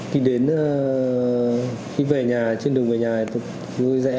khi đến khi về nhà trên đường về nhà tôi dễ